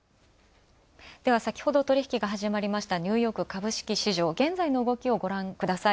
では、先ほど取引、始まりましたニューヨーク株式市場、現在の動きをごらんください。